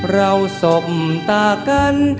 เราสบตากัน